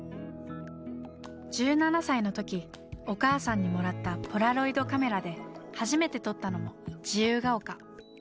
１７歳の時お母さんにもらったポラロイドカメラで初めて撮ったのも自由が丘。